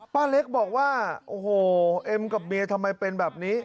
ป้าเล็กบอกว่าโอ้โหเอ็มกับเมียทำไมเป็นแบบนี้